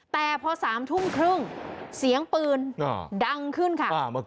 แต่พอ๓ทุ่มครึ่งเสียงปืนดังขึ้นค่ะ